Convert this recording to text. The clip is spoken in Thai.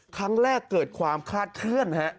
ครั้งแรกเกิดความคลาดเคลื่อนฮะ